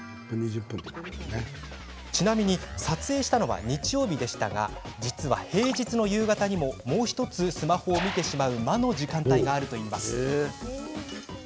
ちなみに撮影したのは日曜日でしたが実は平日の夕方にももう１つ、スマホを見てしまう魔の時間帯があるといいます。